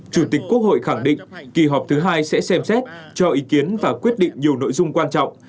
chủ tịch quốc hội khẳng định kỳ họp thứ hai sẽ xem xét cho ý kiến và quyết định nhiều nội dung quan trọng